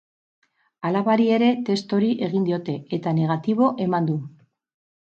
Alabari ere test hori egin diote, eta negatibo eman du.